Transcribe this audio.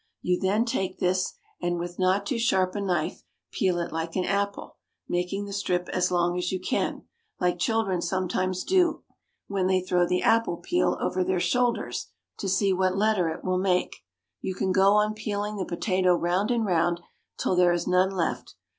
You then take this and, with not too sharp a knife, peel it like apple, making the strip as long as you can, like children sometimes do when they throw the apple peel over their shoulders to see what letter it will make. You can go on peeling the potato round and round till there is none left.